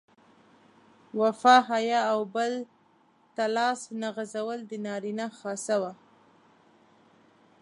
وفا، حیا او بل ته لاس نه غځول د نارینه خاصه وه.